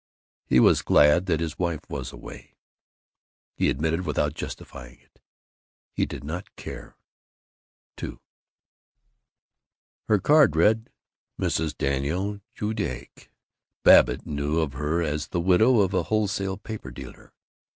He was glad that his wife was away. He admitted it without justifying it. He did not care. II Her card read "Mrs. Daniel Judique." Babbitt knew of her as the widow of a wholesale paper dealer.